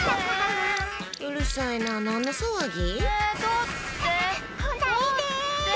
うるさいな、何の騒ぎ？